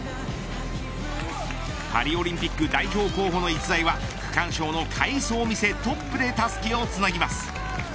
パリオリンピック代表候補の逸材は区間賞の快走を見せトップでたすきをつなぎます。